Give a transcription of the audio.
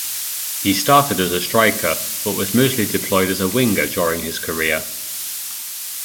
He started as striker, but was mostly deployed as a winger during his career.